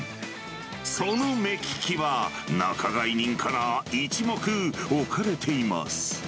その目利きは、仲買人から一目置かれています。